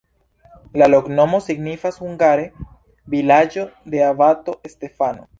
La loknomo signifas hungare: vilaĝo de abato Stefano.